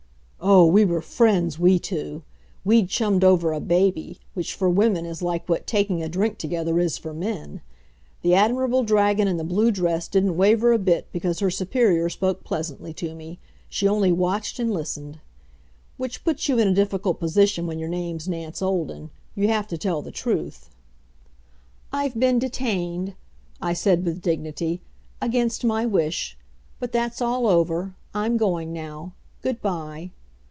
Oh, we were friends, we two! We'd chummed over a baby, which for women is like what taking a drink together is for men. The admirable dragon in the blue dress didn't waver a bit because her superior spoke pleasantly to me. She only watched and listened. Which puts you in a difficult position when your name's Nance Olden you have to tell the truth. "I've been detained," I said with dignity, "against my wish. But that's all over. I'm going now. Good by."